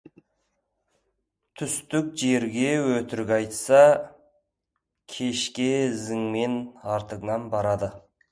Түстік жерге өтірік айтса, кешке ізіңмен артыңнан барады.